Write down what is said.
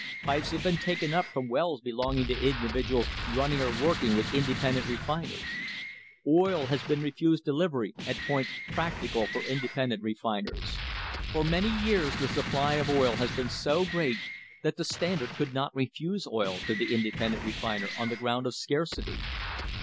Pipes have been taken up from wells belonging to individuals running or working with independent refiners. Oil has been refused delivery at points practical for inde * See Chapter X THE HISTORY OF THE STANDARD OIL COMPANY pendent refiners. For many years the supply of oil has been so great that the Standard could not refuse oil to the independent refiner on the ground of scarcity.